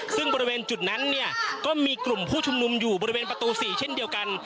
ซึ่งบริเวณจุดนั้นเนี่ยก็มีกลุ่มผู้ชุมนุมอยู่บริเวณประตู๔เช่นเดียวกัน